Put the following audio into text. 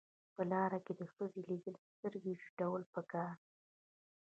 په لار کې د ښځې لیدل سترګې ټیټول پکار دي.